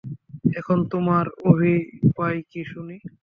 এখন তোমার অভিপ্রায় কী শুনি।